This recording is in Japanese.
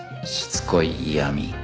しつこい嫌み